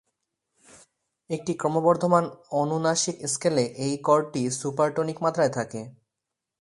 একটি ক্রমবর্ধমান অনুনাসিক স্কেলে, এই কর্ডটি সুপারটোনিক মাত্রায় থাকে।